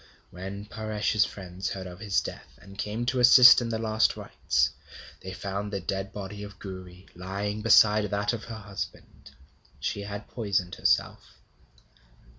When Paresh's friends heard of his death, and came to assist in the last rites, they found the dead body of Gouri lying beside that of her husband. She had poisoned herself.